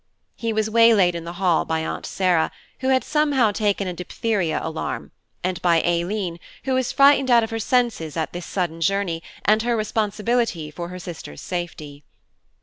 He was waylaid in the hall by Aunt Sarah, who had somehow taken a diphtheria alarm, and by Aileen, who was frightened out of her senses at this sudden journey and her responsibility for her sister's safety.